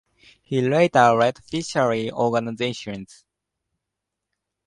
He later led fishery organizations.